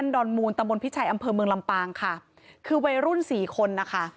ดอนมูลตะบนพิชัยอำเภอเมืองลำปางค่ะคือวัยรุ่นสี่คนนะคะ